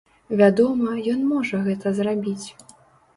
Вядома, ён можа гэта зрабіць!